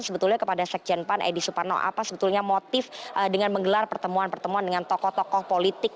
sebetulnya kepada sekjen pan edi suparno apa sebetulnya motif dengan menggelar pertemuan pertemuan dengan tokoh tokoh politik